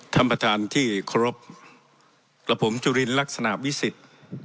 ท่านประธานที่เคารพกับผมจุลินลักษณะวิสิทธิ์